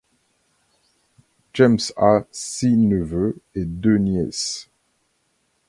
James a six neveux et deux nièces.